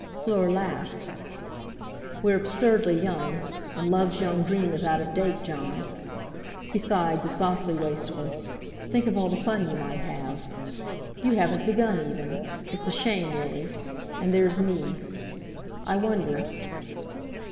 Fleur laughed. "We're absurdly young. And love's young dream is out of date, Jon. Besides, it's awfully wasteful. Think of all the fun you might have. You haven't begun, even; it's a shame, really. And there's me. I wonder!"